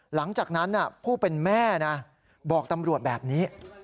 หลังจากนั้นผู้เป็นแม่นะบอกตำรวจแบบนี้